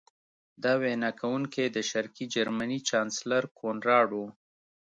دا وینا کوونکی د شرقي جرمني چانسلر کونراډ و